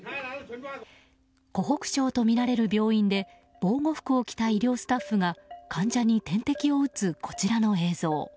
湖北省とみられる病院で防護服を着た医療スタッフが患者に点滴を打つ、こちらの映像。